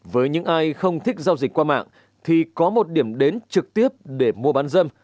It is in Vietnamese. với những ai không thích giao dịch qua mạng thì có một điểm đến trực tiếp để mua bán dâm